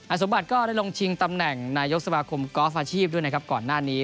สมบัติก็ได้ลงชิงตำแหน่งนายกสมาคมกอล์ฟอาชีพด้วยนะครับก่อนหน้านี้